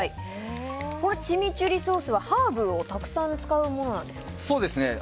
これ、チミチュリソースはハーブをたくさん使うものなんですか？